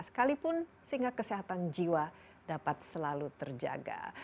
sekalipun sehingga kesehatan jiwa dapat selalu terjaga